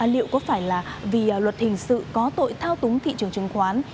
liệu có phải là vì luật hình sự có tội thao túng thị trường chứng khoán